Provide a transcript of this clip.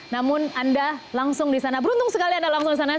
namun anda langsung di sana beruntung sekali anda langsung ke sana